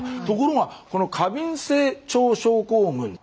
ところがこの過敏性腸症候群